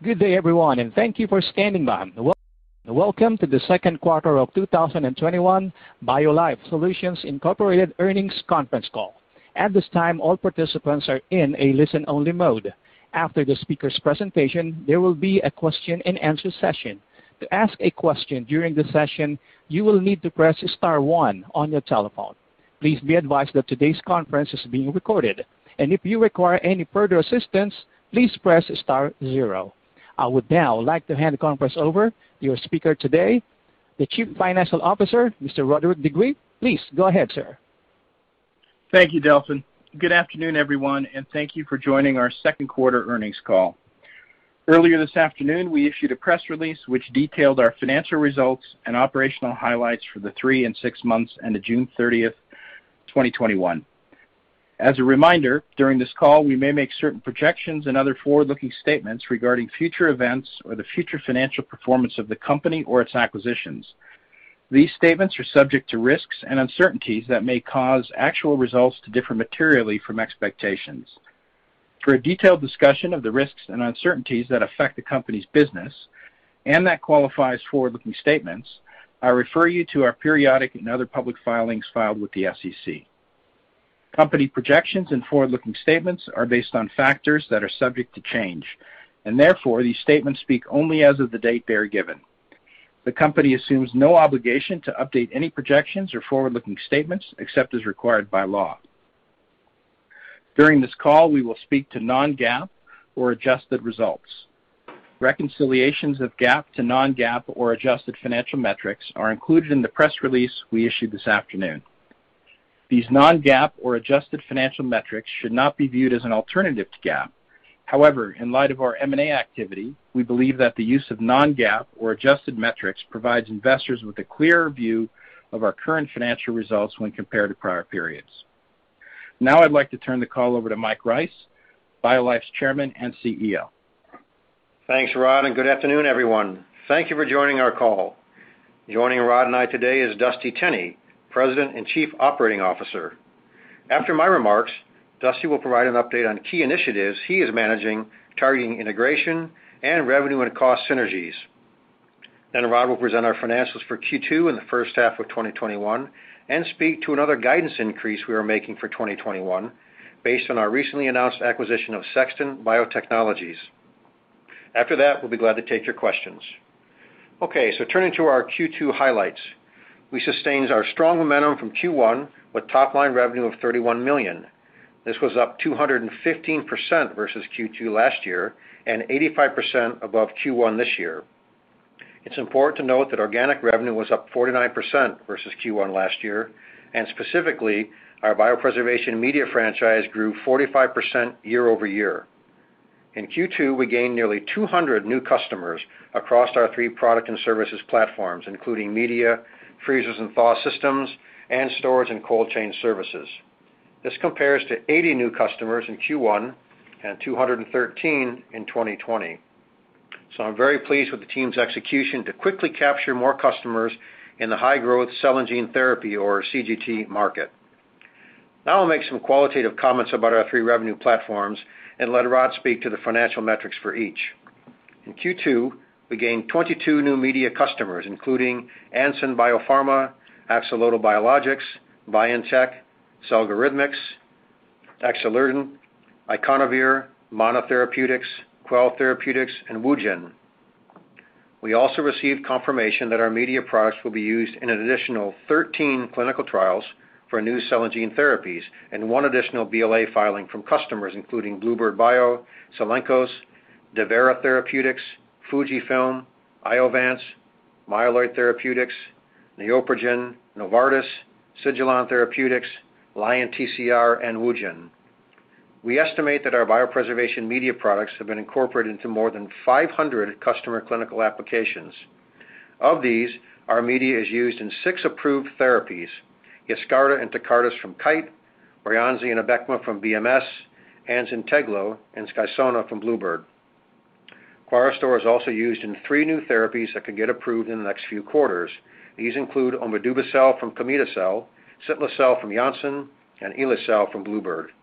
Good day, everyone, and thank you for standing by. Welcome to the second quarter of 2021 BioLife Solutions Incorporated earnings conference call. At this time, all participants are in a listen-only mode. After the speaker's presentation, there will be a question and answer session. To ask a question during the session, you will need to press star one on your telephone. Please be advised that today's conference is being recorded, and if you require any further assistance, please press star zero. I would now like to hand the conference over to your speaker today, the Chief Financial Officer, Mr. Roderick de Greef. Please go ahead, sir. Thank you, Nelson. Good afternoon, everyone, and thank you for joining our second quarter earnings call. Earlier this afternoon, we issued a press release which detailed our financial results and operational highlights for the three and three months end of June 30th, 2021. As a reminder, during this call, we may make certain projections and other forward-looking statements regarding future events or the future financial performance of the company or its acquisitions. These statements are subject to risks and uncertainties that may cause actual results to differ materially from expectations. For a detailed discussion of the risks and uncertainties that affect the company's business and that qualifies forward-looking statements, I refer you to our periodic and other public filings filed with the SEC. Company projections and forward-looking statements are based on factors that are subject to change, and therefore, these statements speak only as of the date they are given. The company assumes no obligation to update any projections or forward-looking statements except as required by law. During this call, we will speak to non-GAAP or adjusted results. Reconciliations of GAAP to non-GAAP or adjusted financial metrics are included in the press release we issued this afternoon. These non-GAAP or adjusted financial metrics should not be viewed as an alternative to GAAP. However, in light of our M&A activity, we believe that the use of non-GAAP or adjusted metrics provides investors with a clearer view of our current financial results when compared to prior periods. Now I'd like to turn the call over to Mike Rice, BioLife Solutions's Chairman and CEO. Thanks, Rod. Good afternoon, everyone. Thank you for joining our call. Joining Rod and I today is Dusty Tenney, President and Chief Operating Officer. After my remarks, Dusty will provide an update on key initiatives he is managing, targeting integration and revenue and cost synergies. Rod will present our financials for Q2 and the first half of 2021 and speak to another guidance increase we are making for 2021 based on our recently announced acquisition of Sexton Biotechnologies. After that, we'll be glad to take your questions. Turning to our Q2 highlights. We sustained our strong momentum from Q1 with top-line revenue of $31 million. This was up 215% versus Q2 last year and 85% above Q1 this year. It's important to note that organic revenue was up 49% versus Q1 last year, and specifically, our biopreservation media franchise grew 45% year-over-year. In Q2, we gained nearly 200 new customers across our three product and services platforms, including media, freezers and thaw systems, and storage and cold chain services. This compares to 80 new customers in Q1 and 213 in 2020. I'm very pleased with the team's execution to quickly capture more customers in the high growth cell and gene therapy or CGT market. I'll make some qualitative comments about our three revenue platforms and let Rod speak to the financial metrics for each. In Q2, we gained 22 new media customers, including Ansun Biopharma, Axolotl Biologix, BioNTech, Cellgorithmics, Axolotl Biologix, IconOVir Bio, MiNA Therapeutics, Quell Therapeutics, and Wugen. We also received confirmation that our media products will be used in an additional 13 clinical trials for new cell and gene therapies and 1 additional BLA filing from customers including bluebird bio, Soleno Therapeutics, Deverra Therapeutics, FUJIFILM, Iovance, Myeloid Therapeutics, Neurona Therapeutics, Novartis, Sigilon Therapeutics, Lion TCR, and Wugen. We estimate that our biopreservation media products have been incorporated into more than 500 customer clinical applications. Of these, our media is used in six approved therapies, YESCARTA and TECARTUS from Kite, Breyanzi and Abecma from BMS, and ZYNTEGLO and SKYSONA from bluebird bio. CryoStor is also used in three new therapies that could get approved in the next few quarters. These include omidubicel from Gamida Cell, ciltacabtagene autoleucel from Janssen, and eli-cel from bluebird bio.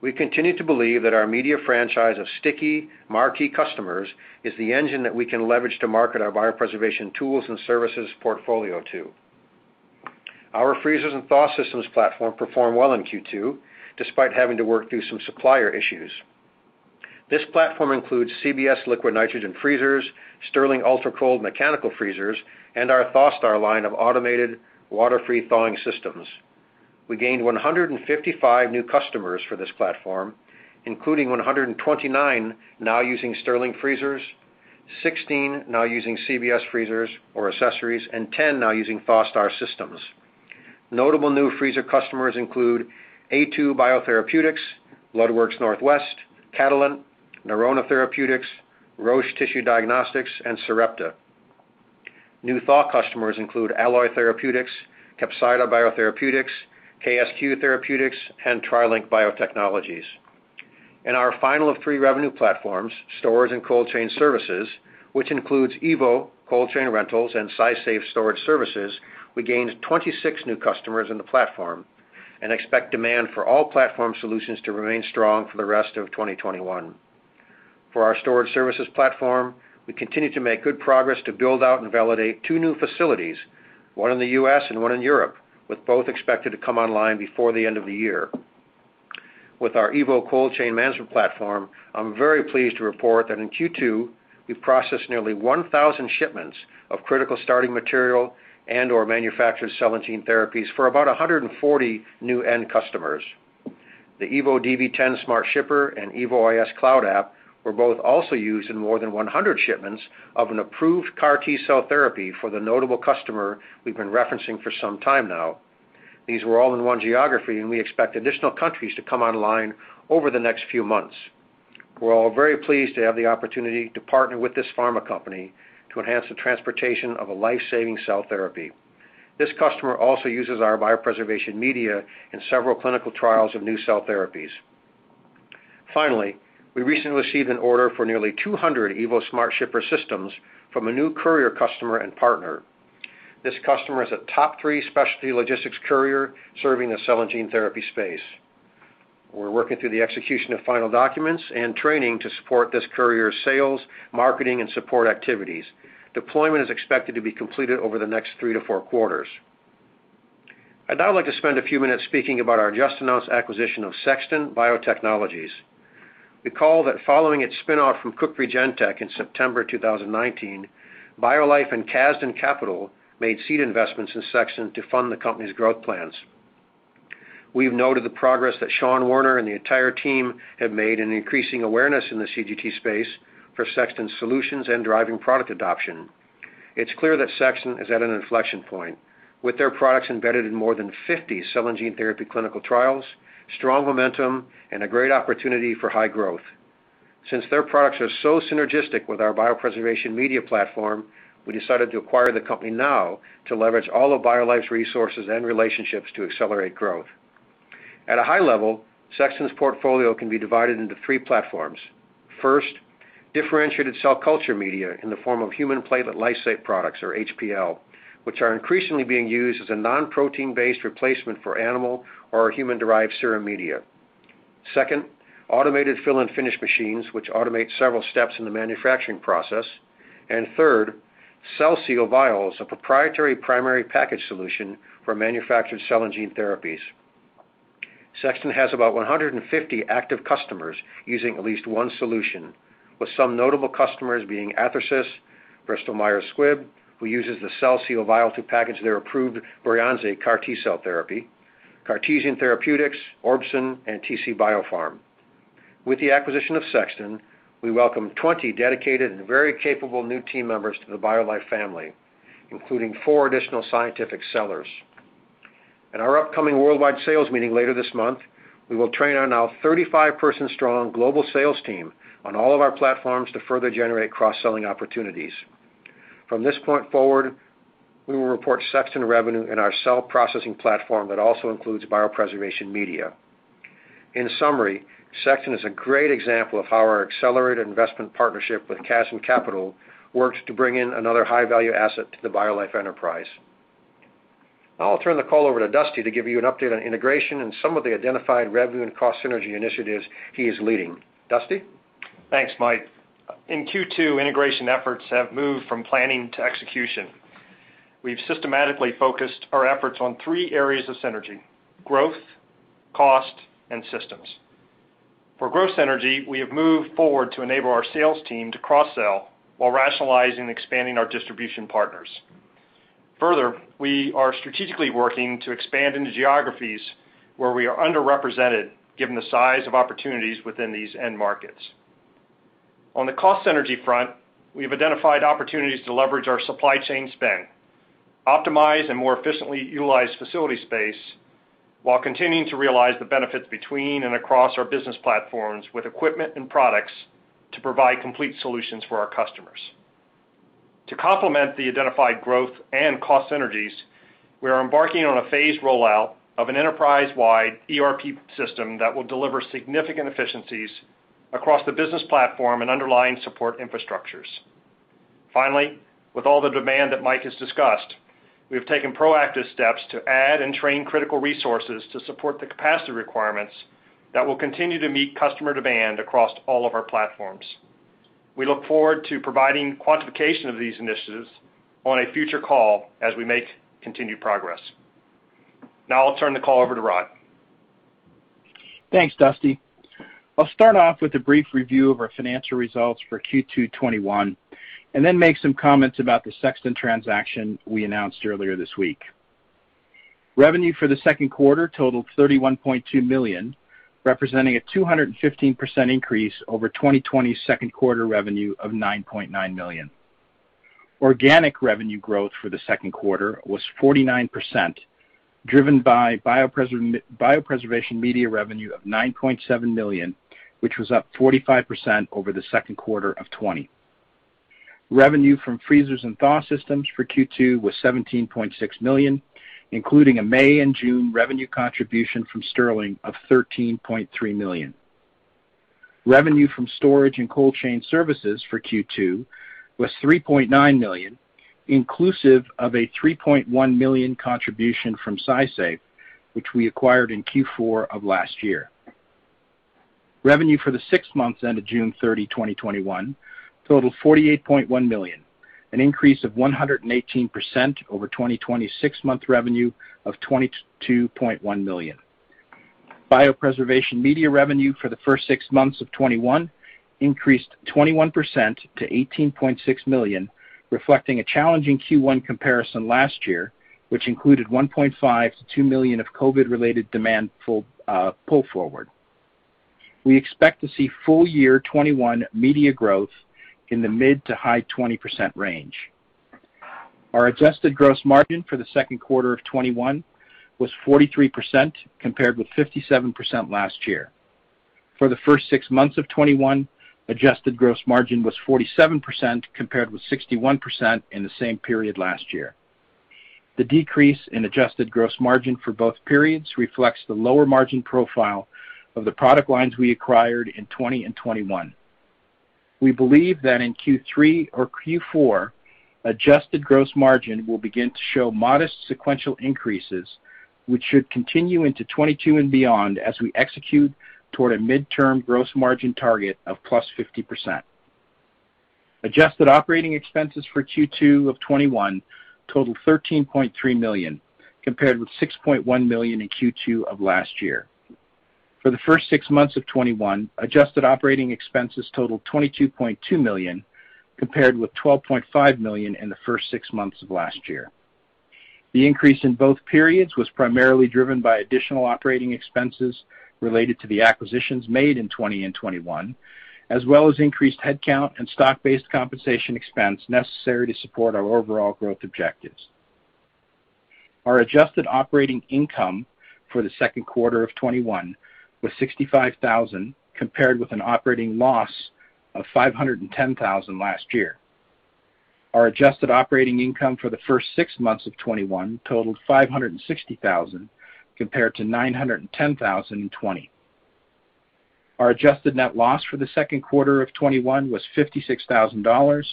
We continue to believe that our media franchise of sticky, marquee customers is the engine that we can leverage to market our biopreservation tools and services portfolio to. Our freezers and thaw systems platform performed well in Q2, despite having to work through some supplier issues. This platform includes CBS liquid nitrogen freezers, Stirling Ultracold mechanical freezers, and our ThawSTAR line of automated water-free thawing systems. We gained 155 new customers for this platform, including 129 now using Stirling freezers, 16 now using CBS freezers or accessories, and 10 now using ThawSTAR systems. Notable new freezer customers include A2 Biotherapeutics, Bloodworks Northwest, Catalent, Neurona Therapeutics, Roche Tissue Diagnostics, and Sarepta. New thaw customers include Alloy Therapeutics, Capsida Biotherapeutics, KSQ Therapeutics, and TriLink BioTechnologies. In our final of three revenue platforms, storage and cold chain services, which includes evo cold chain rentals and SciSafe storage services, we gained 26 new customers in the platform. Expect demand for all platform solutions to remain strong for the rest of 2021. For our storage services platform, we continue to make good progress to build out and validate two new facilities, one in the U.S. and one in Europe, with both expected to come online before the end of the year. With our evo Cold Chain Management Platform, I'm very pleased to report that in Q2, we've processed nearly 1,000 shipments of critical starting material and/or manufactured cell and gene therapies for about 140 new end customers. The evo DV10 Smart Shipper and evoIS Cloud app were both also used in more than 100 shipments of an approved CAR T-cell therapy for the notable customer we've been referencing for some time now. These were all in one geography, we expect additional countries to come online over the next few months. We're all very pleased to have the opportunity to partner with this pharma company, to enhance the transportation of a life-saving cell therapy. This customer also uses our biopreservation media in several clinical trials of new cell therapies. We recently received an order for nearly 200 evo smart shipper systems from a new courier customer and partner. This customer is a top three specialty logistics courier serving the cell and gene therapy space. We're working through the execution of final documents and training to support this courier's sales, marketing, and support activities. Deployment is expected to be completed over the next three to four quarters. I'd now like to spend a few minutes speaking about our just-announced acquisition of Sexton Biotechnologies. Recall that following its spin-off from Cook Regentec in September 2019, BioLife and Casdin Capital made seed investments in Sexton to fund the company's growth plans. We've noted the progress that Sean Werner and the entire team have made in increasing awareness in the CGT space for Sexton's solutions and driving product adoption. It's clear that Sexton is at an inflection point, with their products embedded in more than 50 cell and gene therapy clinical trials, strong momentum, and a great opportunity for high growth. Since their products are so synergistic with our biopreservation media platform, we decided to acquire the company now to leverage all of BioLife's resources and relationships to accelerate growth. At a high level, Sexton's portfolio can be divided into three platforms. First, differentiated cell culture media in the form of human platelet lysate products, or HPL, which are increasingly being used as a non-protein-based replacement for animal or human-derived serum media. Second, automated fill-and-finish machines, which automate several steps in the manufacturing process. Third, CellSeal Vials, a proprietary primary package solution for manufactured cell and gene therapies. Sexton has about 150 active customers using at least one solution, with some notable customers being Athersys, Bristol Myers Squibb, who uses the CellSeal Vial to package their approved Breyanzi CAR T-cell therapy, Cartesian Therapeutics, Orbsen, and TC BioPharm. With the acquisition of Sexton, we welcome 20 dedicated and very capable new team members to the BioLife family, including four additional scientific sellers. At our upcoming worldwide sales meeting later this month, we will train our now 35-person strong global sales team on all of our platforms to further generate cross-selling opportunities. From this point forward, we will report Sexton revenue in our cell processing platform that also includes biopreservation media. In summary, Sexton is a great example of how our accelerated investment partnership with Casdin Capital works to bring in another high-value asset to the BioLife enterprise. Now I'll turn the call over to Dusty to give you an update on integration and some of the identified revenue and cost synergy initiatives he is leading. Dusty? Thanks, Mike. In Q2, integration efforts have moved from planning to execution. We've systematically focused our efforts on three areas of synergy, growth, cost, and systems. For growth synergy, we have moved forward to enable our sales team to cross-sell while rationalizing expanding our distribution partners. Further, we are strategically working to expand into geographies where we are underrepresented given the size of opportunities within these end markets. On the cost synergy front, we've identified opportunities to leverage our supply chain spend, optimize and more efficiently utilize facility space while continuing to realize the benefits between and across our business platforms with equipment and products to provide complete solutions for our customers. To complement the identified growth and cost synergies, we are embarking on a phased rollout of an enterprise-wide ERP system that will deliver significant efficiencies across the business platform and underlying support infrastructures. Finally, with all the demand that Mike has discussed, we have taken proactive steps to add and train critical resources to support the capacity requirements that will continue to meet customer demand across all of our platforms. We look forward to providing quantification of these initiatives on a future call as we make continued progress. I'll turn the call over to Rod. Thanks, Dusty. I'll start off with a brief review of our financial results for Q2 2021, and then make some comments about the Sexton transaction we announced earlier this week. Revenue for the second quarter totaled $31.2 million, representing a 215% increase over 2020 second quarter revenue of $9.9 million. Organic revenue growth for the second quarter was 49%, driven by biopreservation media revenue of $9.7 million, which was up 45% over the second quarter of 2020. Revenue from freezers and thaw systems for Q2 was $17.6 million, including a May and June revenue contribution from Stirling of $13.3 million. Revenue from storage and cold chain services for Q2 was $3.9 million, inclusive of a $3.1 million contribution from SciSafe, which we acquired in Q4 of last year. Revenue for the six months ended June 30, 2021 totaled $48.1 million, an increase of 118% over 2020 six-month revenue of $22.1 million. Biopreservation media revenue for the first six months of 2021 increased 21% to $18.6 million, reflecting a challenging Q1 comparison last year, which included $1.5 million-$2 million of COVID-related demand pull forward. We expect to see full year 2021 media growth in the mid to high 20% range. Our adjusted gross margin for the second quarter of 2021 was 43%, compared with 57% last year. For the first six months of 2021, adjusted gross margin was 47%, compared with 61% in the same period last year. The decrease in adjusted gross margin for both periods reflects the lower margin profile of the product lines we acquired in 2020 and 2021. We believe that in Q3 or Q4, adjusted gross margin will begin to show modest sequential increases, which should continue into 2022 and beyond as we execute toward a midterm gross margin target of +50%. Adjusted operating expenses for Q2 of 2021 totaled $13.3 million, compared with $6.1 million in Q2 of last year. For the first six months of 2021, adjusted operating expenses totaled $22.2 million, compared with $12.5 million in the first six months of last year. The increase in both periods was primarily driven by additional operating expenses related to the acquisitions made in 2020 and 2021, as well as increased headcount and stock-based compensation expense necessary to support our overall growth objectives. Our adjusted operating income for the second quarter of 2021 was $65,000, compared with an operating loss of $510,000 last year. Our adjusted operating income for the first six months of 2021 totaled $560,000, compared to $910,000 in 2020. Our adjusted net loss for the second quarter of 2021 was $56,000,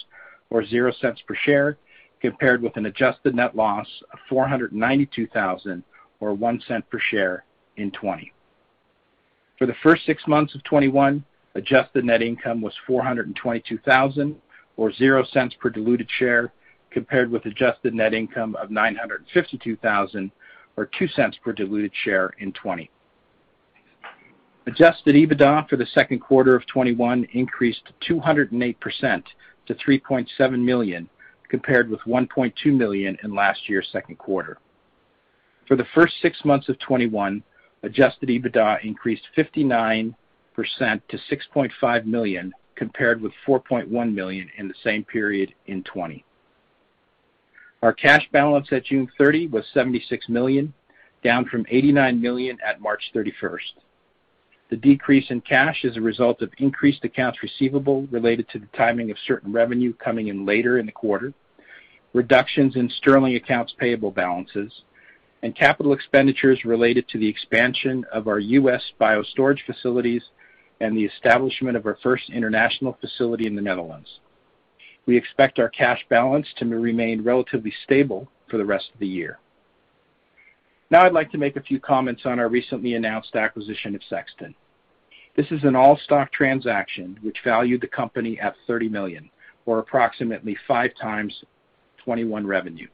or $0.00 per share, compared with an adjusted net loss of $492,000, or $0.01 per share, in 2020. For the first six months of 2021, adjusted net income was $422,000, or $0.00 per diluted share, compared with adjusted net income of $952,000, or $0.02 per diluted share, in 2020. Adjusted EBITDA for the second quarter of 2021 increased 208% to $3.7 million, compared with $1.2 million in last year's second quarter. For the first six months of 2021, adjusted EBITDA increased 59% to $6.5 million, compared with $4.1 million in the same period in 2020. Our cash balance at June 30 was $76 million, down from $89 million at March 31st. The decrease in cash is a result of increased accounts receivable related to the timing of certain revenue coming in later in the quarter, reductions in Stirling accounts payable balances, and capital expenditures related to the expansion of our U.S. Biostorage facilities and the establishment of our first international facility in the Netherlands. We expect our cash balance to remain relatively stable for the rest of the year. Now, I'd like to make a few comments on our recently announced acquisition of Sexton. This is an all-stock transaction which valued the company at $30 million, or approximately 5x 2021 revenue.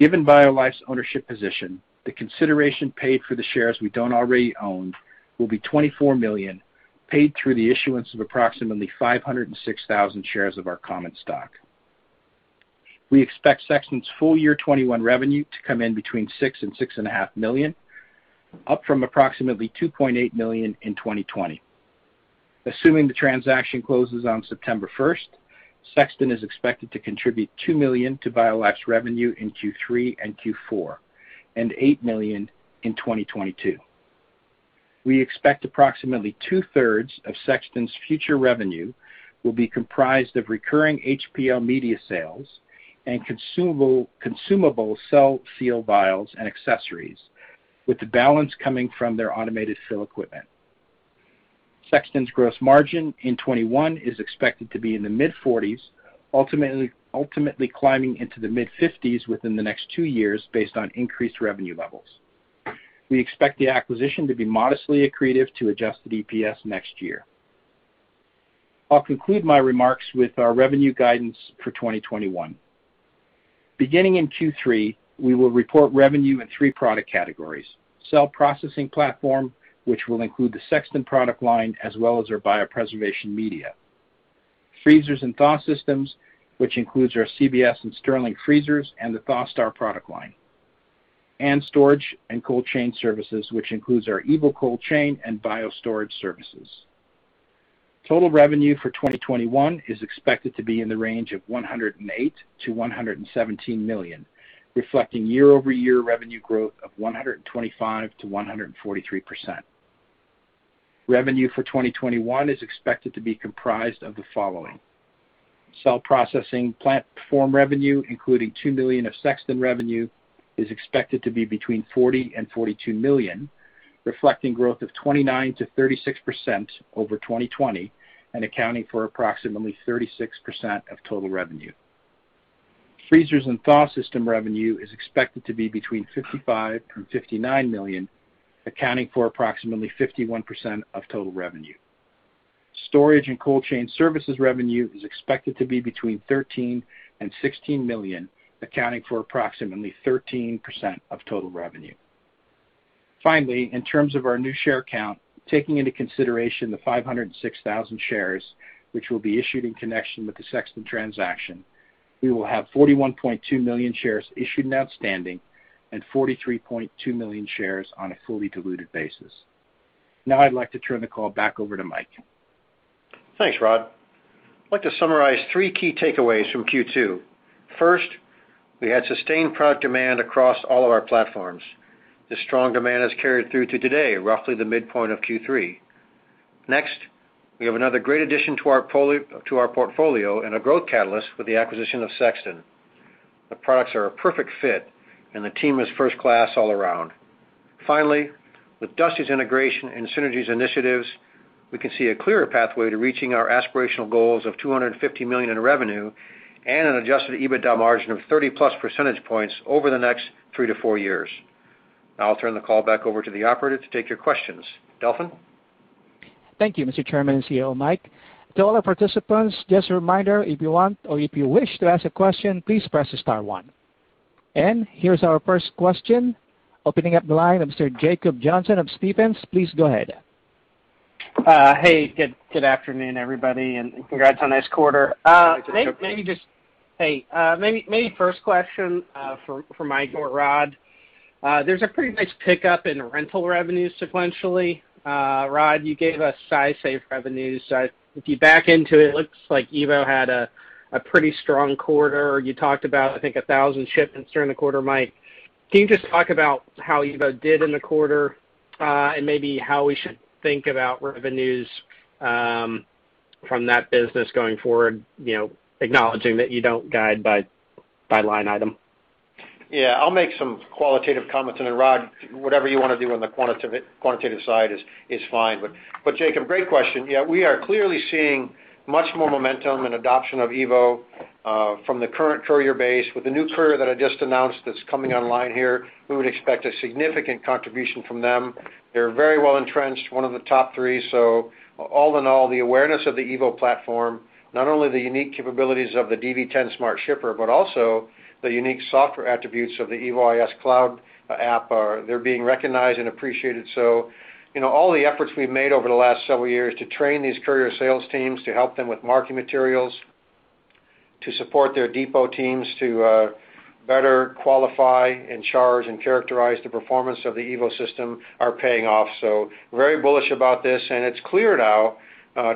Given BioLife's ownership position, the consideration paid for the shares we don't already own will be $24 million, paid through the issuance of approximately 506,000 shares of our common stock. We expect Sexton's full year 2021 revenue to come in between $6 million and $6.5 million, up from approximately $2.8 million in 2020. Assuming the transaction closes on September 1st, Sexton is expected to contribute $2 million to BioLife's revenue in Q3 and Q4, and $8 million in 2022. We expect approximately two-thirds of Sexton's future revenue will be comprised of recurring HPL media sales and consumable CellSeal Vials and accessories, with the balance coming from their automated fill equipment. Sexton's gross margin in 2021 is expected to be in the mid-40s, ultimately climbing into the mid-50s within the next two years based on increased revenue levels. We expect the acquisition to be modestly accretive to adjusted EPS next year. I'll conclude my remarks with our revenue guidance for 2021. Beginning in Q3, we will report revenue in three product categories. Cell processing platform, which will include the Sexton product line as well as our biopreservation media. Freezers and thaw systems, which includes our CBS and Stirling freezers and the ThawSTAR product line. Storage and evo Cold Chain and biostorage services. Total revenue for 2021 is expected to be in the range of $108 million-$117 million, reflecting year-over-year revenue growth of 125%-143%. Revenue for 2021 is expected to be comprised of the following. Cell processing platform revenue, including $2 million of Sexton revenue, is expected to be between $40 million-$42 million, reflecting growth of 29%-36% over 2020 and accounting for approximately 36% of total revenue. Freezers and thaw system revenue is expected to be between $55 million-$59 million, accounting for approximately 51% of total revenue. Storage and cold chain services revenue is expected to be between $13 million and $16 million, accounting for approximately 13% of total revenue. Finally, in terms of our new share count, taking into consideration the 506,000 shares which will be issued in connection with the Sexton transaction, we will have 41.2 million shares issued and outstanding and 43.2 million shares on a fully diluted basis. Now I'd like to turn the call back over to Mike. Thanks, Rod. I'd like to summarize three key takeaways from Q2. We had sustained product demand across all of our platforms. This strong demand has carried through to today, roughly the midpoint of Q3. We have another great addition to our portfolio and a growth catalyst with the acquisition of Sexton. The products are a perfect fit, and the team is first class all around. With Dusty's integration and synergies initiatives, we can see a clearer pathway to reaching our aspirational goals of $250 million in revenue and an adjusted EBITDA margin of 30+ percentage points over the next three to four years. I'll turn the call back over to the operator to take your questions. Delphin? Thank you, Mr. Chairman and CEO Mike. To all our participants, just a reminder, if you want or if you wish to ask a question, please press star one. Here's our first question. Opening up the line of Mr. Jacob Johnson of Stephens. Please go ahead. Hey, good afternoon, everybody, and congrats on this quarter. Thanks, Jacob. Hey. Maybe first question for Mike or Rod. There's a pretty nice pickup in rental revenues sequentially. Rod, you gave us SciSafe revenues. If you back into it looks like evo had a pretty strong quarter. You talked about, I think, 1,000 shipments during the quarter, Mike. Can you just talk about how evo did in the quarter and maybe how we should think about revenues from that business going forward, acknowledging that you don't guide by line item? Yeah, I'll make some qualitative comments, and then Rod, whatever you want to do on the quantitative side is fine. Jacob, great question. Yeah, we are clearly seeing much more momentum and adoption of evo from the current courier base. With the new courier that I just announced that's coming online here, we would expect a significant contribution from them. They're very well entrenched, one of the top three. All in all, the awareness of the evo platform, not only the unique capabilities of the DV10 Smart Shipper, but also the unique software attributes of the evoIS cloud app are they're being recognized and appreciated. All the efforts we've made over the last several years to train these courier sales teams, to help them with marketing materials, to support their depot teams to better qualify and charge and characterize the performance of the evo system are paying off. Very bullish about this, and it's cleared out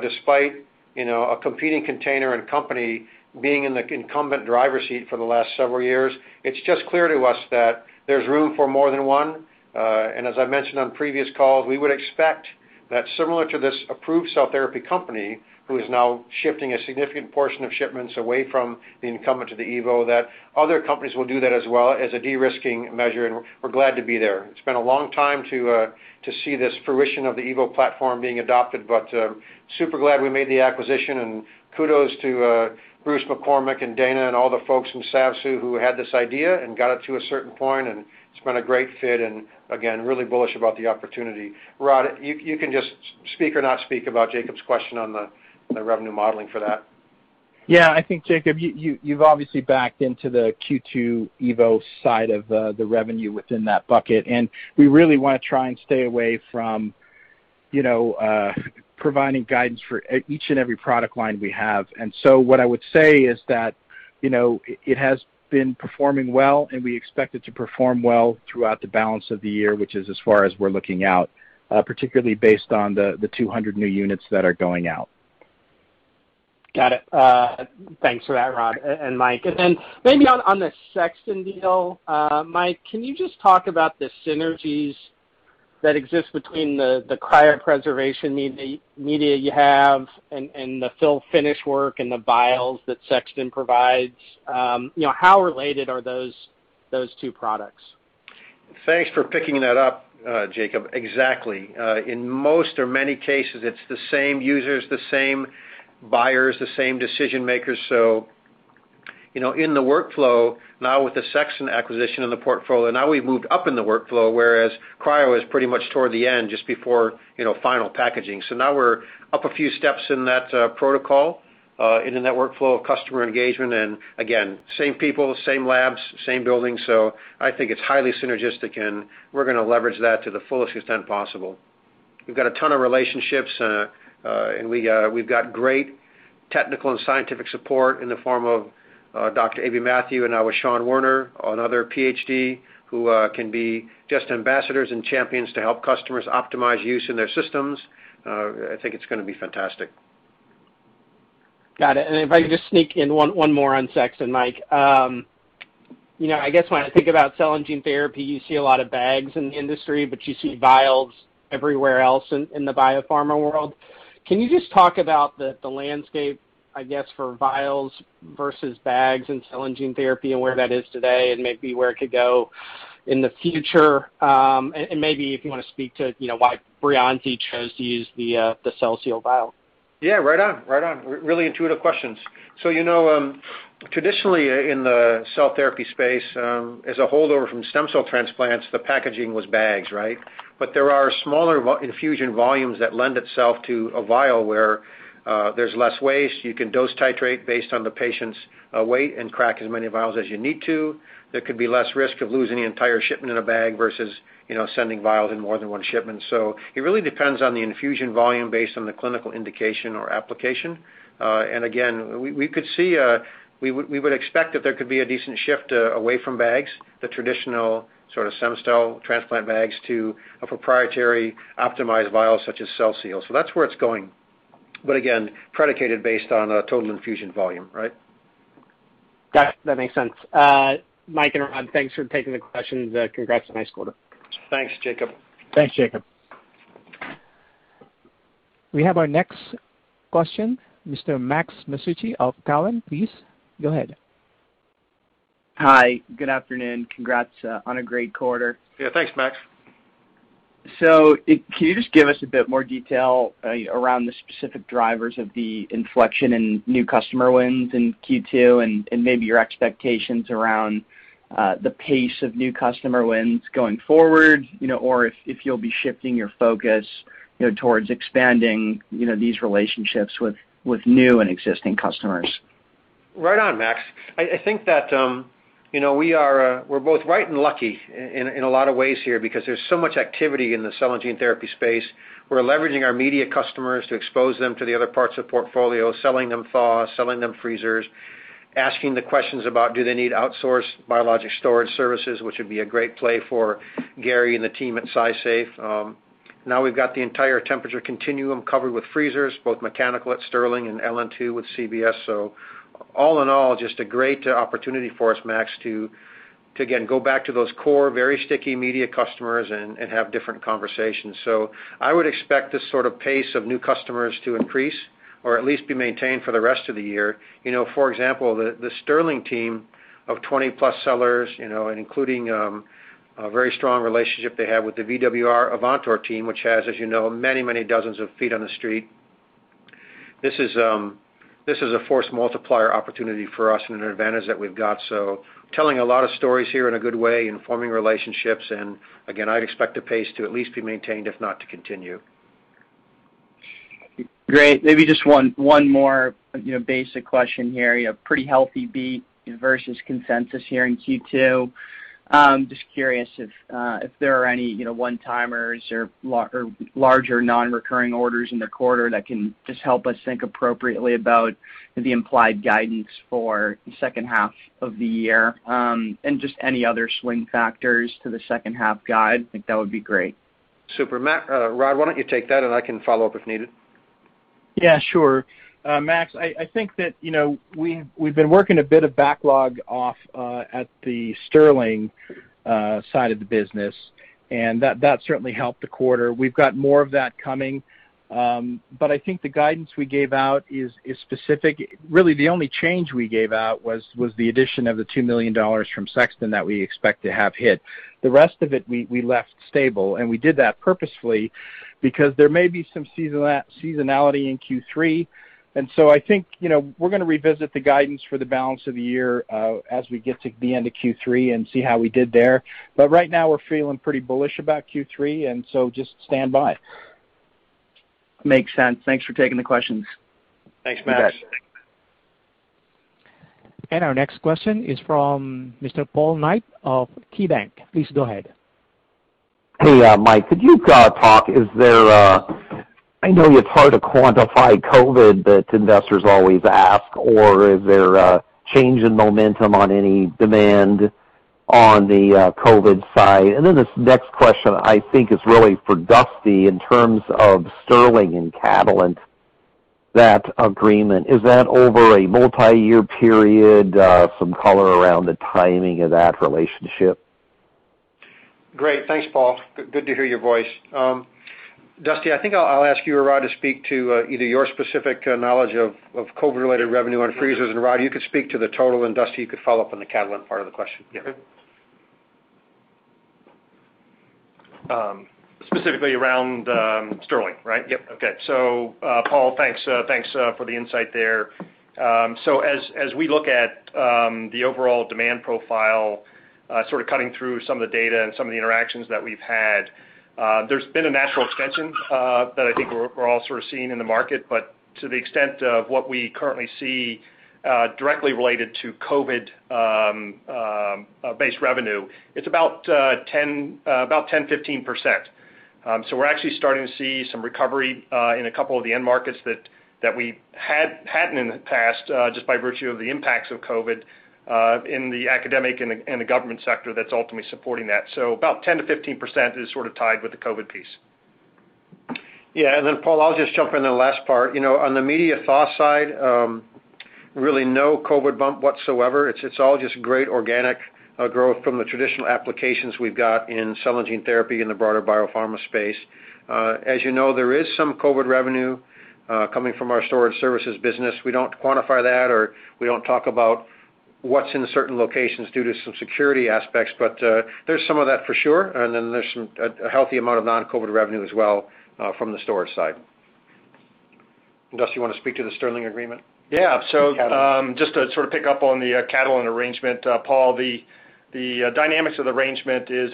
despite a competing container and company being in the incumbent driver's seat for the last several years. It's just clear to us that there's room for more than one. As I mentioned on previous calls, we would expect that similar to this approved cell therapy company who is now shifting a significant portion of shipments away from the incumbent to the evo, that other companies will do that as well as a de-risking measure, and we're glad to be there. It's been a long time to see this fruition of the evo platform being adopted. Super glad we made the acquisition. Kudos to Bruce McCormick and Dana and all the folks from SAVSU who had this idea and got it to a certain point. It's been a great fit. Again, really bullish about the opportunity. Rod, you can just speak or not speak about Jacob's question on the revenue modeling for that. Yeah, I think, Jacob, you've obviously backed into the Q2 evo side of the revenue within that bucket. We really want to try and stay away from providing guidance for each and every product line we have. What I would say is that it has been performing well, and we expect it to perform well throughout the balance of the year, which is as far as we're looking out, particularly based on the 200 new units that are going out. Got it. Thanks for that, Roderick and Mike. Maybe on the Sexton deal, Mike, can you just talk about the synergies that exist between the cryopreservation media you have and the fill finish work and the vials that Sexton provides? How related are those two products? Thanks for picking that up, Jacob. Exactly. In most or many cases, it's the same users, the same buyers, the same decision-makers. In the workflow now with the Sexton acquisition in the portfolio, now we've moved up in the workflow, whereas Cryo is pretty much toward the end, just before final packaging. Now we're up a few steps in that protocol in the net workflow of customer engagement, and again, same people, same labs, same building. I think it's highly synergistic, and we're going to leverage that to the fullest extent possible. We've got a ton of relationships, and we've got great technical and scientific support in the form of Dr. Aby Mathew and now with Sean Werner, another PhD, who can be just ambassadors and champions to help customers optimize use in their systems. I think it's going to be fantastic. Got it. If I could just sneak in one more on Sexton, Mike, I guess when I think about cell and gene therapy, you see a lot of bags in the industry, but you see vials everywhere else in the biopharma world. Can you just talk about the landscape, I guess, for vials versus bags in cell and gene therapy and where that is today, and maybe where it could go in the future? Maybe if you want to speak to why Breyanzi chose to use the CellSeal vial. Yeah. Right on. Really intuitive questions. Traditionally in the cell therapy space, as a holdover from stem cell transplants, the packaging was bags, right? There are smaller infusion volumes that lend itself to a vial where there's less waste. You can dose titrate based on the patient's weight and crack as many vials as you need to. There could be less risk of losing the entire shipment in a bag versus sending vials in more than one shipment. It really depends on the infusion volume based on the clinical indication or application. Again, we would expect that there could be a decent shift away from bags, the traditional sort of stem cell transplant bags, to a proprietary optimized vial such as CellSeal. That's where it's going, but again, predicated based on total infusion volume, right? Got it. That makes sense. Mike and Rod, thanks for taking the questions. Congrats on nice quarter. Thanks, Jacob. Thanks, Jacob. We have our next question, Mr. Max Masucci of Cowen. Please go ahead. Hi, good afternoon. Congrats on a great quarter. Yeah. Thanks, Max. Can you just give us a bit more detail around the specific drivers of the inflection in new customer wins in Q2 and maybe your expectations around the pace of new customer wins going forward, or if you'll be shifting your focus towards expanding these relationships with new and existing customers? Right on, Max. I think that we're both right and lucky in a lot of ways here because there's so much activity in the cell and gene therapy space. We're leveraging our media customers to expose them to the other parts of the portfolio, selling them thaw, selling them freezers, asking the questions about do they need outsourced biologic storage services, which would be a great play for Gary and the team at SciSafe. Now we've got the entire temperature continuum covered with freezers, both mechanical at Stirling and LN2 with CBS. All in all, just a great opportunity for us, Max, to again, go back to those core, very sticky media customers and have different conversations. I would expect this sort of pace of new customers to increase or at least be maintained for the rest of the year. For example, the Stirling team of 20+ sellers, including a very strong relationship they have with the VWR Avantor team, which has, as you know, many dozens of feet on the street. This is a force multiplier opportunity for us and an advantage that we've got. Telling a lot of stories here in a good way and forming relationships, and again, I'd expect the pace to at least be maintained, if not to continue. Great. Maybe just one more basic question here. You have pretty healthy beat versus consensus here in Q2. Curious if there are any one-timers or larger non-recurring orders in the quarter that can just help us think appropriately about the implied guidance for the second half of the year. Just any other swing factors to the second half guide, I think that would be great. Super, Max. Rod, why don't you take that, and I can follow up if needed? Yeah, sure. Max, I think that we've been working a bit of backlog off at the Stirling side of the business, and that certainly helped the quarter. We've got more of that coming. I think the guidance we gave out is specific. Really, the only change we gave out was the addition of the $2 million from Sexton that we expect to have hit. The rest of it, we left stable, and we did that purposefully because there may be some seasonality in Q3. I think we're going to revisit the guidance for the balance of the year as we get to the end of Q3 and see how we did there. Right now, we're feeling pretty bullish about Q3. Just stand by. Makes sense. Thanks for taking the questions. Thanks, Max. You bet. Our next question is from Mr. Paul Knight of KeyBanc Capital Markets. Please go ahead. Hey, Mike, could you talk. I know it's hard to quantify COVID, but investors always ask. Is there a change in momentum on any demand on the COVID side? This next question I think is really for Dusty, in terms of Stirling Ultracold and Catalent, that agreement, is that over a multi-year period? Some color around the timing of that relationship. Great. Thanks, Paul. Good to hear your voice. Dusty, I think I'll ask you or Rod to speak to either your specific knowledge of COVID related revenue on freezers, and Rod, you could speak to the total, and Dusty, you could follow up on the Catalent part of the question. Okay. Specifically around Stirling, right? Yep. Okay. Paul Knight, thanks for the insight there. As we look at the overall demand profile, sort of cutting through some of the data and some of the interactions that we've had, there's been a natural extension that I think we're all sort of seeing in the market, but to the extent of what we currently see directly related to COVID-based revenue, it's about 10%-15%. We're actually starting to see some recovery in a couple of the end markets that we hadn't in the past, just by virtue of the impacts of COVID in the academic and the government sector that's ultimately supporting that. About 10%-15% is sort of tied with the COVID piece. Yeah. Paul, I'll just jump in on the last part. On the media thaw side, really no COVID bump whatsoever. It's all just great organic growth from the traditional applications we've got in cell and gene therapy in the broader biopharma space. As you know, there is some COVID revenue coming from our storage services business. We don't quantify that, or we don't talk about what's in certain locations due to some security aspects. There's some of that for sure. There's a healthy amount of non-COVID revenue as well from the storage side. Dusty, you want to speak to the Stirling agreement? Yeah. With Catalent. Just to sort of pick up on the Catalent arrangement, Paul, the dynamics of the arrangement is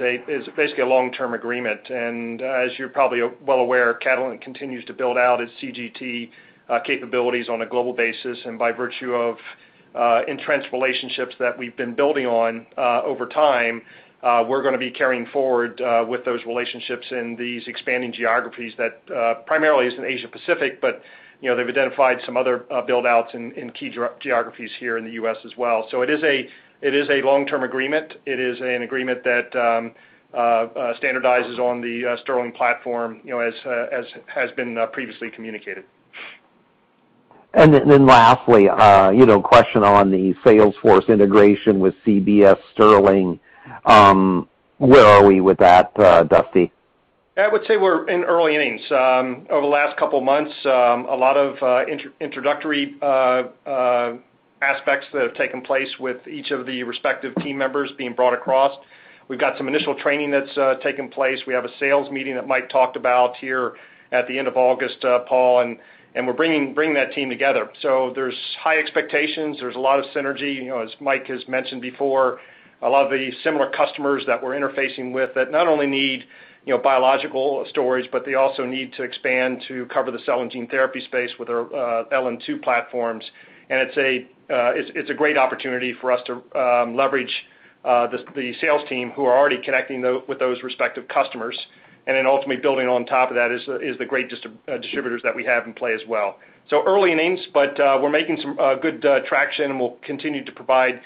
basically a long-term agreement. As you're probably well aware, Catalent continues to build out its CGT capabilities on a global basis. By virtue of entrenched relationships that we've been building on over time, we're going to be carrying forward with those relationships in these expanding geographies that primarily is in Asia-Pacific, but they've identified some other build-outs in key geographies here in the U.S. as well. It is a long-term agreement. It is an agreement that standardizes on the Stirling platform, as has been previously communicated. Then lastly, a question on the salesforce integration with CBS Stirling. Where are we with that, Dusty? I would say we're in early innings. Over the last couple of months, a lot of introductory aspects that have taken place with each of the respective team members being brought across. We've got some initial training that's taking place. We have a sales meeting that Mike talked about here at the end of August, Paul, and we're bringing that team together. There's high expectations. There's a lot of synergy, as Mike has mentioned before, a lot of the similar customers that we're interfacing with that not only need biological storage, but they also need to expand to cover the cell and gene therapy space with their LN2 platforms. It's a great opportunity for us to leverage the sales team who are already connecting with those respective customers. Ultimately building on top of that is the great distributors that we have in play as well. Early innings, but we're making some good traction, and we'll continue to provide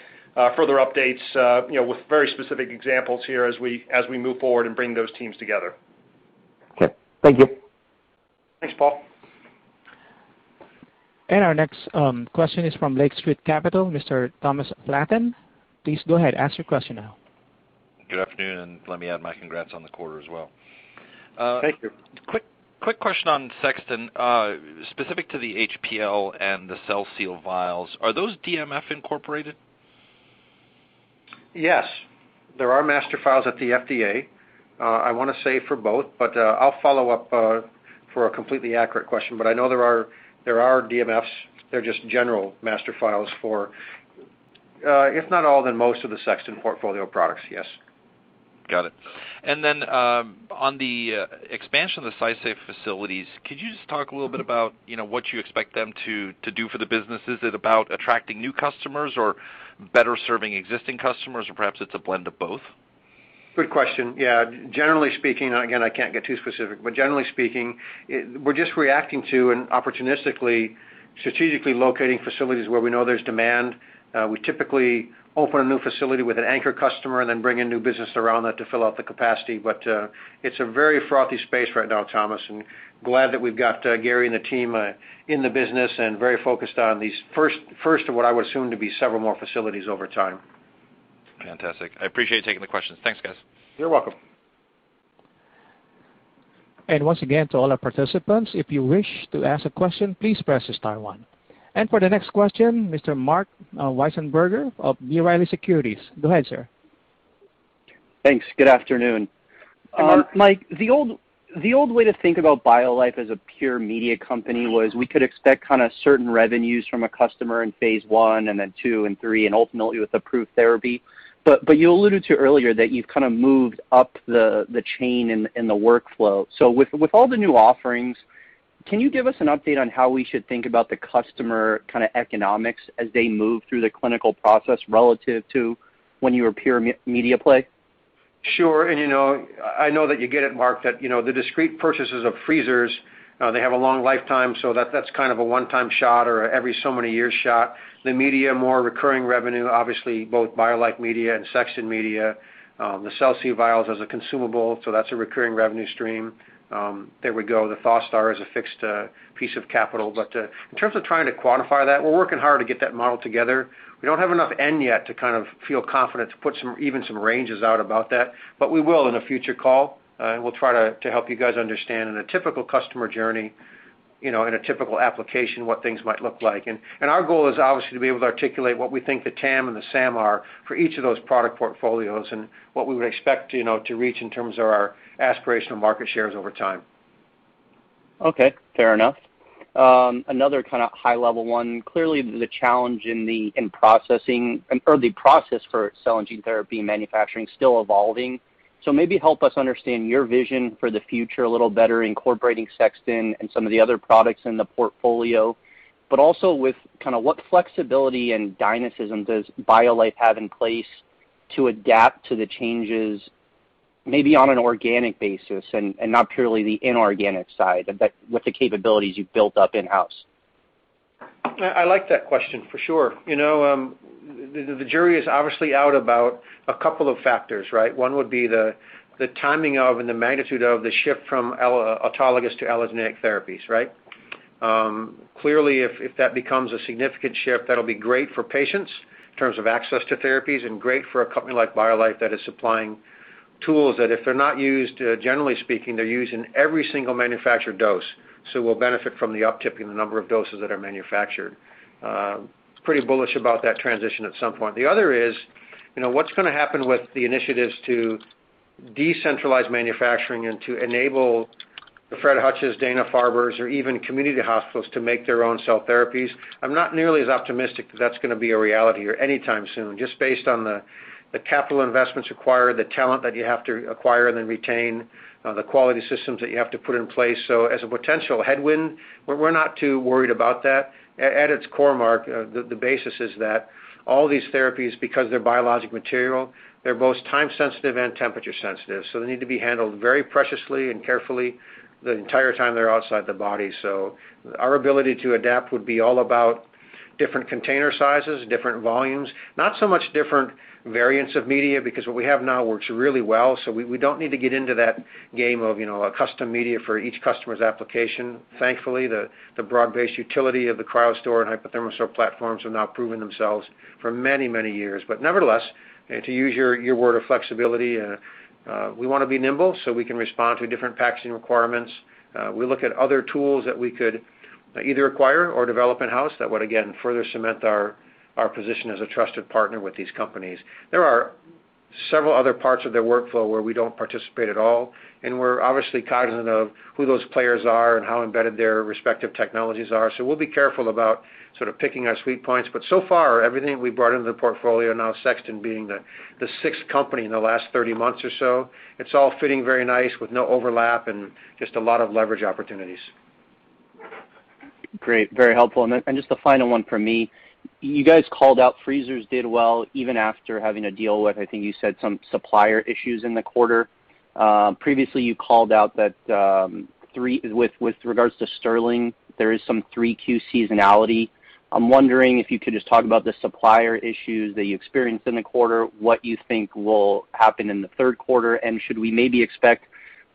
further updates with very specific examples here as we move forward and bring those teams together. Okay. Thank you. Thanks, Paul. Our next question is from Lake Street Capital, Mr. Thomas Flaten. Please go ahead. Ask your question now. Good afternoon. Let me add my congrats on the quarter as well. Thank you. Quick question on Sexton, specific to the HPL and the CellSeal Vials. Are those DMF incorporated? Yes. There are master files at the FDA. I want to say for both. I'll follow up for a completely accurate question. I know there are DMFs. They're just general master files for, if not all, then most of the Sexton portfolio products, yes. Got it. On the expansion of the SciSafe facilities, could you just talk a little bit about what you expect them to do for the business? Is it about attracting new customers or better serving existing customers, or perhaps it's a blend of both? Good question. Yeah. Generally speaking, again, I can't get too specific, but generally speaking, we're just reacting to and opportunistically, strategically locating facilities where we know there's demand. We typically open a new facility with an anchor customer and then bring in new business around that to fill out the capacity. It's a very frothy space right now, Thomas, and glad that we've got Gary and the team in the business and very focused on these first of what I would assume to be several more facilities over time. Fantastic. I appreciate you taking the questions. Thanks, guys. You're welcome. Once again, to all our participants, if you wish to ask a question, please press star one. For the next question, Mr. Marc Wiesenberger of B. Riley Securities. Go ahead, sir. Thanks. Good afternoon. Marc. Mike, the old way to think about BioLife as a pure media company was we could expect certain revenues from a customer in phase I and then II and III, and ultimately with approved therapy. You alluded to earlier that you've kind of moved up the chain in the workflow. With all the new offerings, can you give us an update on how we should think about the customer economics as they move through the clinical process relative to when you were a pure media play? Sure. I know that you get it, Marc, that the discrete purchases of freezers, they have a long lifetime, so that's kind of a one-time shot or every so many years shot. The media, more recurring revenue, obviously, both BioLife media and Sexton media. The CellSeal Vials as a consumable, so that's a recurring revenue stream. There we go. The ThawSTAR is a fixed piece of capital. In terms of trying to quantify that, we're working hard to get that model together. We don't have enough end yet to kind of feel confident to put even some ranges out about that, but we will in a future call, and we'll try to help you guys understand in a typical customer journey, in a typical application, what things might look like. Our goal is obviously to be able to articulate what we think the TAM and the SAM are for each of those product portfolios and what we would expect to reach in terms of our aspirational market shares over time. Okay, fair enough. Another kind of high-level one. Clearly, the challenge in processing or the process for cell and gene therapy manufacturing is still evolving. Maybe help us understand your vision for the future a little better, incorporating Sexton and some of the other products in the portfolio, but also with what flexibility and dynamism does BioLife have in place to adapt to the changes, maybe on an organic basis and not purely the inorganic side, with the capabilities you've built up in-house? I like that question, for sure. The jury is obviously out about a couple of factors, right? One would be the timing of and the magnitude of the shift from autologous to allogeneic therapies, right? Clearly, if that becomes a significant shift, that'll be great for patients in terms of access to therapies and great for a company like BioLife that is supplying tools that if they're not used, generally speaking, they're used in every single manufactured dose. We'll benefit from the upticking the number of doses that are manufactured. Pretty bullish about that transition at some point. The other is, what's going to happen with the initiatives to decentralize manufacturing and to enable the Fred Hutch's, Dana-Farber's, or even community hospitals to make their own cell therapies? I'm not nearly as optimistic that that's going to be a reality or anytime soon, just based on the capital investments required, the talent that you have to acquire and then retain, the quality systems that you have to put in place. As a potential headwind, we're not too worried about that. At its core, Marc, the basis is that all these therapies, because they're biologic material, they're both time sensitive and temperature sensitive, so they need to be handled very preciously and carefully the entire time they're outside the body. Our ability to adapt would be all about different container sizes, different volumes, not so much different variants of media, because what we have now works really well, so we don't need to get into that game of a custom media for each customer's application. Thankfully, the broad-based utility of the CryoStor and HypoThermosol platforms have now proven themselves for many, many years. Nevertheless, to use your word of flexibility, we want to be nimble so we can respond to different packaging requirements. We look at other tools that we could either acquire or develop in-house that would, again, further cement our position as a trusted partner with these companies. There are several other parts of their workflow where we don't participate at all, and we're obviously cognizant of who those players are and how embedded their respective technologies are. We'll be careful about sort of picking our sweet points. So far, everything we brought into the portfolio, now Sexton being the sixth company in the last 30 months or so, it's all fitting very nice with no overlap and just a lot of leverage opportunities. Great. Very helpful. Just the final one from me. You guys called out freezers did well even after having to deal with, I think you said some supplier issues in the quarter. Previously you called out that with regards to Stirling, there is some 3Q seasonality. I'm wondering if you could just talk about the supplier issues that you experienced in the quarter, what you think will happen in the third quarter, and should we maybe expect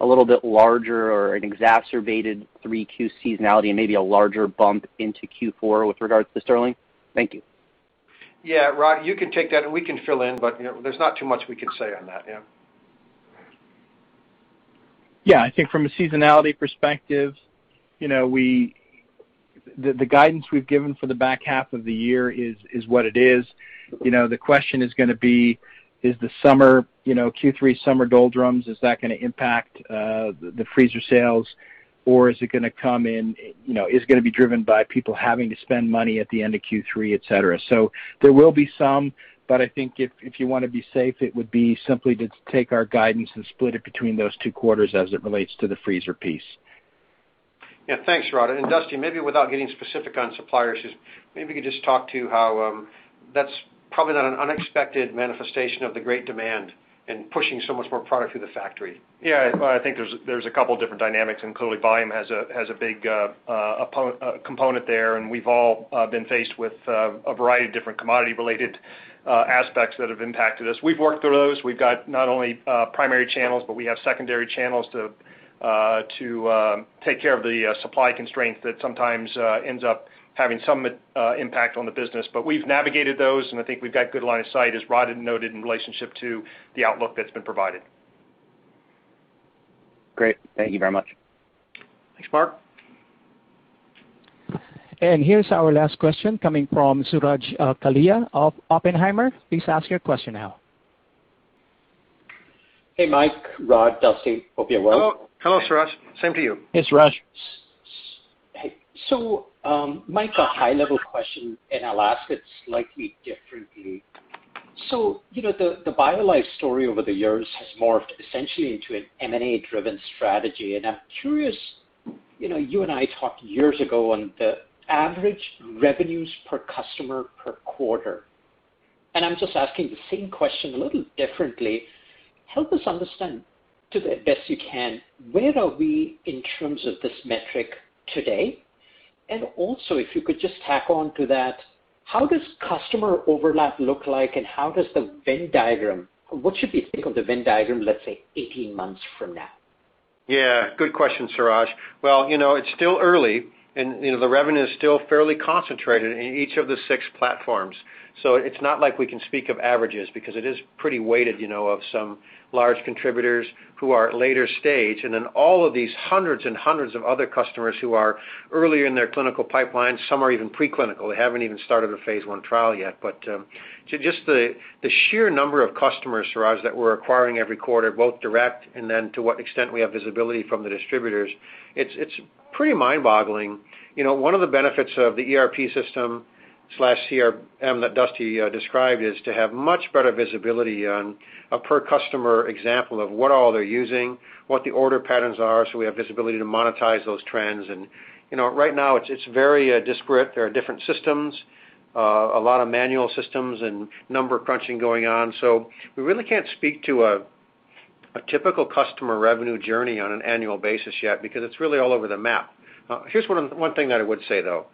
a little bit larger or an exacerbated 3Q seasonality and maybe a larger bump into Q4 with regards to Stirling? Thank you. Yeah, Rod, you can take that and we can fill in, but there's not too much we can say on that, yeah. Yeah, I think from a seasonality perspective, the guidance we've given for the back half of the year is what it is. The question is going to be, is the Q3 summer doldrums, is that going to impact the freezer sales, or is it going to be driven by people having to spend money at the end of Q3, et cetera? There will be some, but I think if you want to be safe, it would be simply to take our guidance and split it between those two quarters as it relates to the freezer piece. Yeah, thanks, Rod. Dusty, maybe without getting specific on suppliers, maybe you could just talk to how that's probably not an unexpected manifestation of the great demand and pushing so much more product through the factory. Yeah, I think there's a couple of different dynamics, and clearly volume has a big component there, and we've all been faced with a variety of different commodity-related aspects that have impacted us. We've worked through those. We've got not only primary channels, but we have secondary channels to take care of the supply constraints that sometimes ends up having some impact on the business. We've navigated those, and I think we've got good line of sight, as Rod had noted, in relationship to the outlook that's been provided. Great. Thank you very much. Thanks, Marc. Here's our last question coming from Suraj Kalia of Oppenheimer. Please ask your question now. Hey, Mike, Rod, Dusty. Hope you're well. Hello, Suraj. Same to you. Hey, Suraj. Hey. Mike, a high level question, and I'll ask it slightly differently. The BioLife story over the years has morphed essentially into an M&A driven strategy, and I'm curious, you and I talked years ago on the average revenues per customer per quarter, and I'm just asking the same question a little differently. Help us understand to the best you can, where are we in terms of this metric today? Also, if you could just tack on to that, how does customer overlap look like, and what should we think of the Venn diagram, let's say, 18 months from now? Yeah, good question, Suraj. Well, it's still early, and the revenue is still fairly concentrated in each of the six platforms. It's not like we can speak of averages because it is pretty weighted of some large contributors who are later stage, and then all of these hundreds and hundreds of other customers who are earlier in their clinical pipeline, some are even pre-clinical. They haven't even started a phase I trial yet. Just the sheer number of customers, Suraj, that we're acquiring every quarter, both direct and then to what extent we have visibility from the distributors, it's pretty mind boggling. One of the benefits of the ERP system/CRM that Dusty described is to have much better visibility on a per customer example of what all they're using, what the order patterns are, so we have visibility to monetize those trends. Right now it's very disparate. There are different systems, a lot of manual systems and number crunching going on. We really can't speak to a typical customer revenue journey on an annual basis yet, because it's really all over the map. Here's one thing that I would say, though.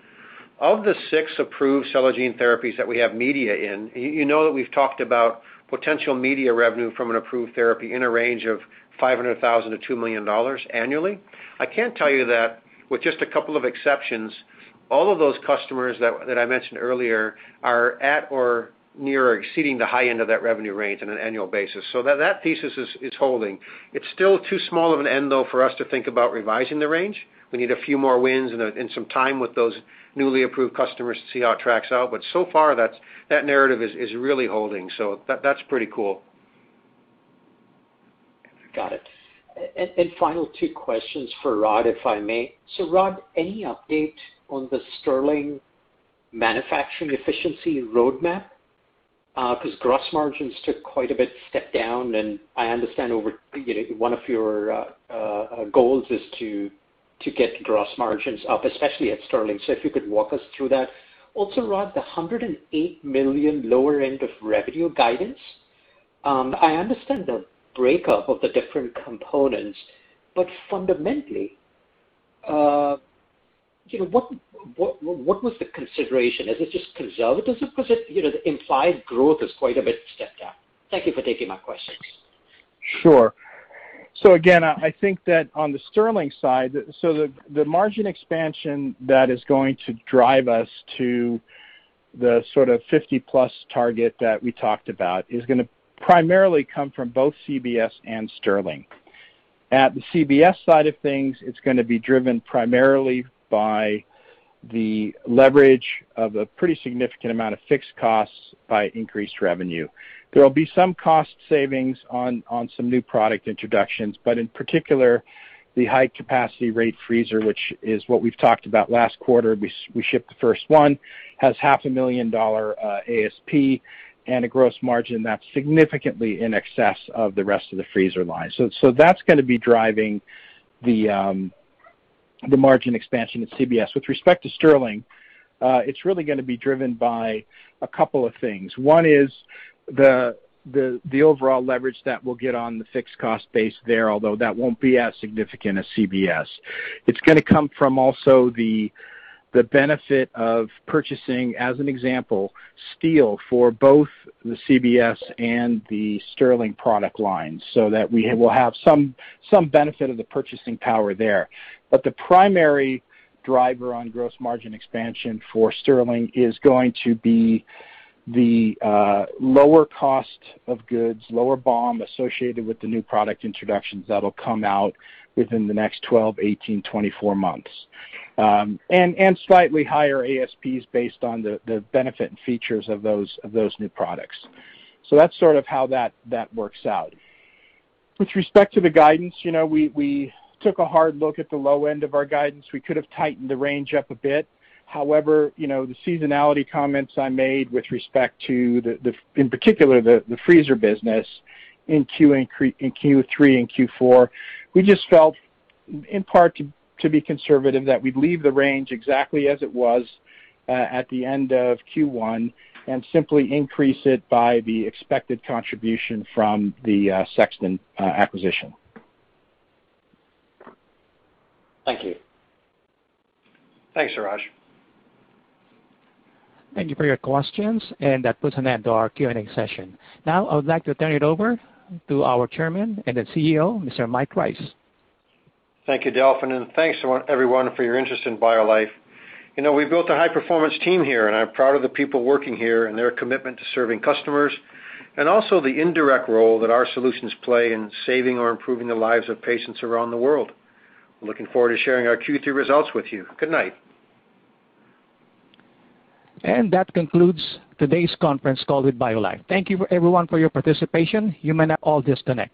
Of the six approved cell and gene therapies that we have media in, you know that we've talked about potential media revenue from an approved therapy in a range of $500,000-$2 million annually. I can tell you that with just a couple of exceptions, all of those customers that I mentioned earlier are at or near or exceeding the high end of that revenue range on an annual basis. That thesis is holding. It's still too small of an end, though, for us to think about revising the range. We need a few more wins and some time with those newly approved customers to see how it tracks out. That narrative is really holding. That's pretty cool. Got it. Final two questions for Rod, if I may. Rod, any update on the Stirling manufacturing efficiency roadmap? Because gross margins took quite a bit step down, and I understand one of your goals is to get gross margins up, especially at Stirling. If you could walk us through that. Also, Rod, the $108 million lower end of revenue guidance. I understand the breakup of the different components, but fundamentally, what was the consideration? Is it just conservative? Because the implied growth is quite a bit stepped down. Thank you for taking my questions. Sure. Again, I think that on the Stirling side, the margin expansion that is going to drive us to the sort of 50+ target that we talked about is going to primarily come from both CBS and Stirling. At the CBS side of things, it's going to be driven primarily by the leverage of a pretty significant amount of fixed costs by increased revenue. There will be some cost savings on some new product introductions, but in particular, the high capacity rate freezer, which is what we've talked about last quarter, we shipped the first one, has $500,000 ASP and a gross margin that's significantly in excess of the rest of the freezer line. That's going to be driving the margin expansion at CBS. With respect to Stirling, it's really going to be driven by a couple of things. 1 is the overall leverage that we'll get on the fixed cost base there, although that won't be as significant as CBS. It's going to come from also the benefit of purchasing, as an example, steel for both the CBS and the Stirling product lines, so that we will have some benefit of the purchasing power there. The primary driver on gross margin expansion for Stirling is going to be the lower cost of goods, lower BOM associated with the new product introductions that'll come out within the next 12, 18, 24 months. Slightly higher ASPs based on the benefit and features of those new products. That's sort of how that works out. With respect to the guidance, we took a hard look at the low end of our guidance. We could have tightened the range up a bit. However, the seasonality comments I made with respect to, in particular, the freezer business in Q3 and Q4, we just felt, in part, to be conservative, that we'd leave the range exactly as it was at the end of Q1 and simply increase it by the expected contribution from the Sexton acquisition. Thank you. Thanks, Suraj. Thank you for your questions, and that puts an end to our Q&A session. Now I would like to turn it over to our Chairman and CEO, Mr. Mike Rice. Thank you, Delphin, and thanks everyone for your interest in BioLife. We've built a high performance team here, and I'm proud of the people working here and their commitment to serving customers, and also the indirect role that our solutions play in saving or improving the lives of patients around the world. Looking forward to sharing our Q3 results with you. Good night. That concludes today's conference call with BioLife. Thank you everyone for your participation. You may all disconnect.